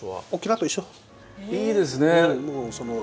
いいですね。